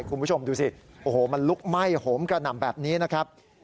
คุณผู้ชมดูสิโอ้โหมันลุกไหม้โหมกระหน่ำแบบนี้นะครับ